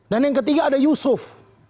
dan yang ketiga ada yusuf